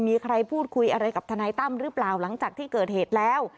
มีใครพูดคุยอะไรกับทนายตั้มหรือเปล่าหลังจากที่เกิดเหตุแล้ว